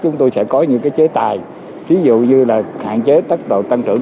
chúng tôi sẽ có những cái chế tài ví dụ như là hạn chế tốc độ tăng trưởng